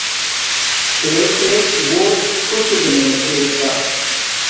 تے ایت ووت کو ݽوہ دینے چھے کا۔